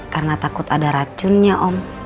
karena takut ada racunnya om